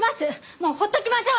もうほっときましょう！